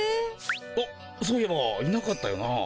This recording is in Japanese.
あっそういえばいなかったよな。